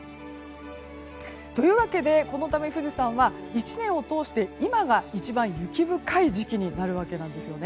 というわけで、このため富士山は１年を通して今が一番雪深い時期になるわけなんです。